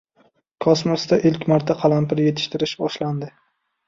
Kosmosda ilk marta qalampir yetishtirish boshlandi